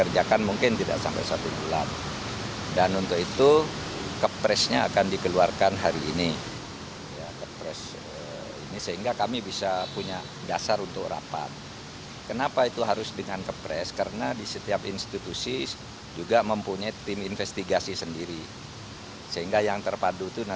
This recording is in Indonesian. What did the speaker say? dan mengidentifikasi masalah kemudian diikuti dengan pembagian tugas pencarian fakta fakta